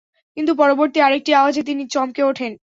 কিন্তু পরবর্তী আরেকটি আওয়াজে তিনি চমকে ওঠেন।